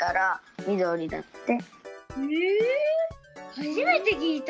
はじめてきいた！